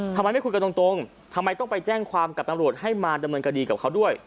ทำไมไม่คุยกันตรงทำไมต้องไปแจ้งความกับตำรวจให้มาดำเนินคดีกับเขาด้วย